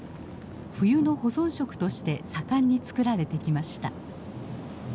冬の保存食として盛んに作られてきました。